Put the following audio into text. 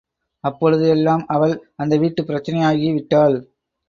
அப்பொழுது எல்லாம் அவள் அந்த வீட்டுப் பிரச்சனையாகி விட்டாள்.